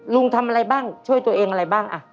ทำอะไรบ้างช่วยตัวเองอะไรบ้าง